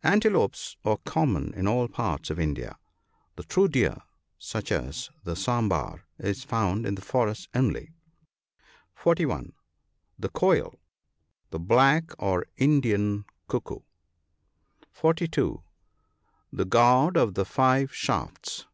— Antelopes are common in all parts of India. The true deer, such as the sambur, is found in the forests only. (41.) The Ko'il. — The black or Indian cuckoo. NOTES. 151 (42.) The god of the five shafts.